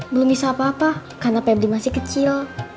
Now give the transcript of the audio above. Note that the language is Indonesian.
belum bisa apa apa karena pebdi masih kecil